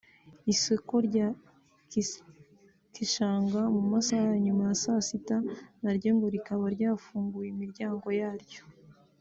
Isoko rya Kitshanga mu masaha ya nyuma ya saa sita naryo ngo rikaba ryarafunguye imiryango yaryo